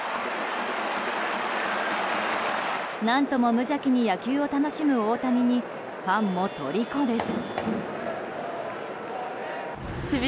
何とも無邪気に野球を楽しむ大谷にファンも虜です。